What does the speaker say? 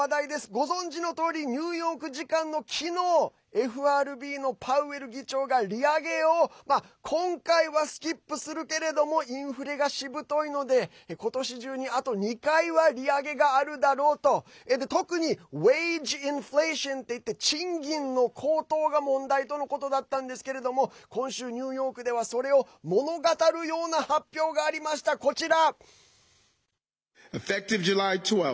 ご存じのとおりニューヨーク時間の昨日ＦＲＢのパウエル議長が利上げを今回はスキップするけれどもインフレがしぶといので今年中にあと２回は利上げがあるだろうと特にｗａｇｅｉｎｆｌａｔｉｏｎっていって賃金の高騰が問題とのことだったんですけれども今週、ニューヨークではそれを物語るような発表がありました、こちら。